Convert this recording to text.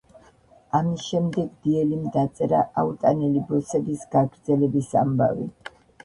ამის შემდეგ დიელიმ დაწერა „აუტანელი ბოსების“ გაგრძელების ამბავი.